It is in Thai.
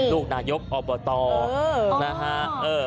ลูกนายกอเบอะตอร์